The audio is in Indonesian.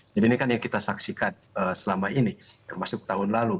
jadi ini kan yang kita saksikan selama ini termasuk tahun lalu